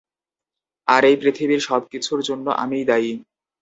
আর এই পৃথিবীর সবকিছুর জন্য আমিই দায়ী।